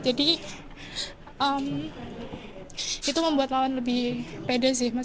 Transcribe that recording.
jadi itu membuat lawan lebih pede sih